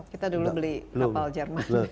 kita dulu beli kapal jerman